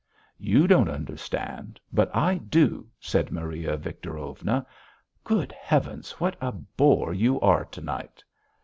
"You don't understand, but I do," said Maria Victorovna. "Good Heavens! What a bore you are to night."